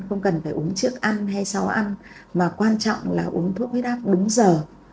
không cần phải uống trước ăn hay sau ăn mà quan trọng là uống thuốc huyết áp đúng giờ